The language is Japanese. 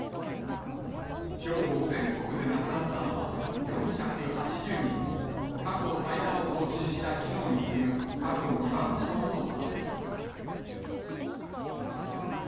きょう、全国で亡くなったのは４８０人で、過去最多を更新したきのうに次ぐ、過去２番目の多さです。